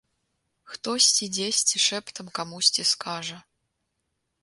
Хтосьці дзесьці шэптам камусьці скажа.